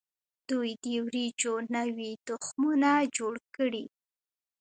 دوی د وریجو نوي تخمونه جوړ کړي.